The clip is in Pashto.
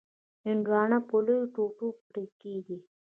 هندوانه په لویو ټوټو پرې کېږي.